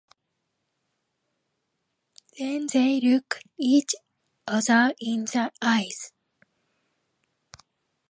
Then they looked each other in the eyes.